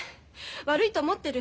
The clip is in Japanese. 悪いと思ってる。